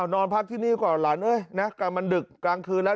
นอนพักที่นี่ก่อนหลังเอ๊ะมันดึกกลางคืนแล้ว